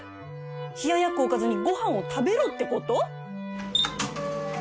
冷ややっこをおかずにご飯を食べろってこと！？